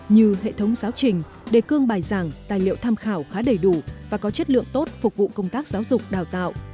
như hệ thống giáo trình đề cương bài giảng tài liệu tham khảo khá đầy đủ và có chất lượng tốt phục vụ công tác giáo dục đào tạo